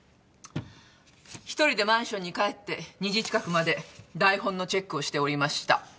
一人でマンションに帰って２時近くまで台本のチェックをしておりました。